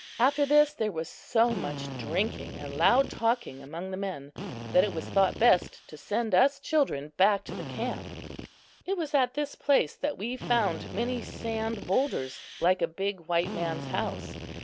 After this, there was so much drinking and loud talking among the men, that it was thought best to send us children back to the camp. It was at this place that we found many sand boulders like a big "white man's house."